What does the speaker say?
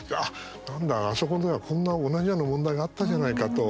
なんだ、あそこではこんな同じような問題があったじゃないかと。